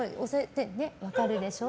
分かるでしょ？